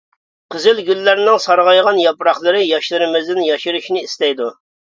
قىزىلگۈللەرنىڭ سارغايغان ياپراقلىرى ياشلىرىمىزدىن ياشىرىشنى ئىستەيدۇ.